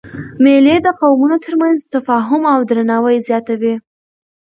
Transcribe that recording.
مېلې د قومونو تر منځ تفاهم او درناوی زیاتوي.